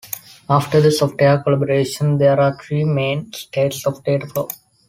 After the software collaboration, there are three main states of data flow.